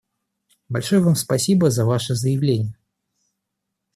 Большое вам спасибо за ваше заявление.